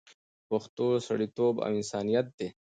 پښتو سړیتوب او انسانیت دی